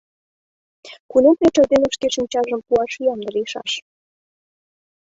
Кунет верч айдеме шке шинчажым пуаш ямде лийшаш.